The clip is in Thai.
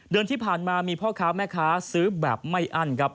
เดือนที่ผ่านมามีพ่อค้าแม่ค้าซื้อแบบไม่อั้นครับ